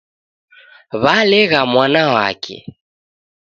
W'alegha mwana wake